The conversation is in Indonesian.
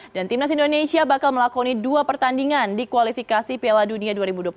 dan timnas indonesia bakal melakoni dua pertandingan di kualifikasi piala dunia dua ribu dua puluh enam